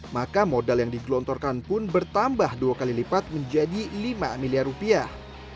maka modal yang digelontorkan pun bertambah dua kali lipat menjadi lima miliar rupiah